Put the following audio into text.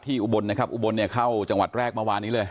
อุบลนะครับอุบลเนี่ยเข้าจังหวัดแรกเมื่อวานนี้เลย